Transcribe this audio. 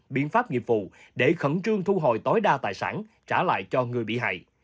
biện pháp nghiệp vụ để khẩn trương thu hồi tối đa tài sản trả lại cho người bị hại